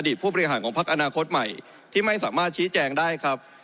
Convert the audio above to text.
ผู้บริหารของพักอนาคตใหม่ที่ไม่สามารถชี้แจงได้ครับ